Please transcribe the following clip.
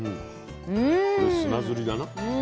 これ砂ずりだな。